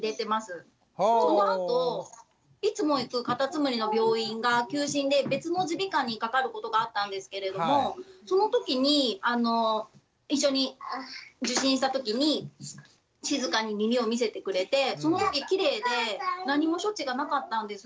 そのあといつも行くかたつむりの病院が休診で別の耳鼻科にかかることがあったんですけれどもそのときに一緒に受診したときに静かに耳を見せてくれてそのとききれいで何も処置がなかったんです。